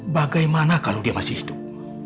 bagaimana kalau dia masih hidup